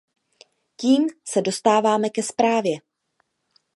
Tím se dostáváme ke zprávě.